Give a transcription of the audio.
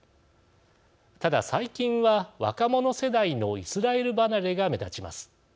ただ、最近は若者世代のイスラエル離れが目立ちます。